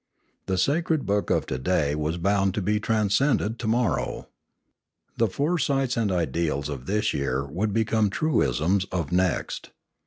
The sacred book of to day was bound to be transcended to morrow. The foresights and ideals of this year would be the truisms of next.